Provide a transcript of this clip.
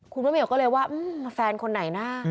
คุณแม่เมียก็เลยว่าอืมแฟนคนไหนน่ะ